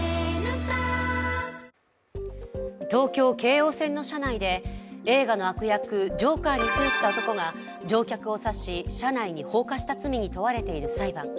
東京・京王線の車内で映画の悪役、ジョーカーにふんした男が乗客を刺し車内に放火した罪に問われている裁判。